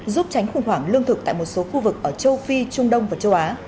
giúp tránh khủng hoảng lương thực tại một số khu vực ở châu phi trung đông và châu á